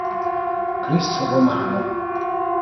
Chris Romano